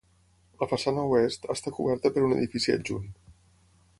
La façana Oest, està coberta per un edifici adjunt.